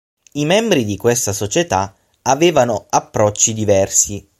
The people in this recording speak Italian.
I membri di questa società avevano approcci diversi.